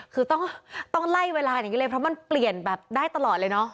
คือต้องไล่เวลาอย่างนี้เลยเพราะมันเปลี่ยนแบบได้ตลอดเลยเนาะ